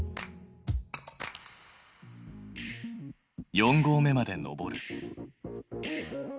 四合目まで登る。